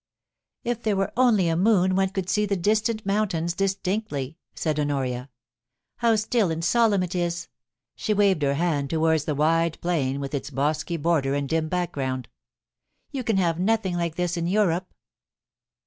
* If there were only a moon one could see the distant mountains distinctly,' said Honoria. * How still and solemn it is !' she waved her hand towards the wide plain with its bosky border and dim background * You can have nothing like this in Europe.'